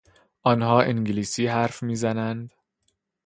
آنها انگلیسی حرف میزنند.